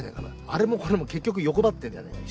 あれもこれも結局欲張ってるじゃねえか。